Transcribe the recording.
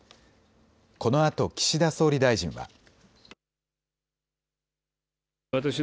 このあと岸田総理大臣は。